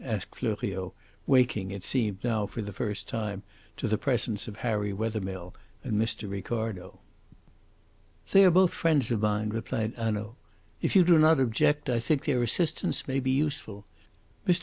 asked Fleuriot, waking, it seemed, now for the first time to the presence of Harry Wethermill and Mr. Ricardo. "They are both friends of mine," replied Hanaud. "If you do not object I think their assistance may be useful. Mr.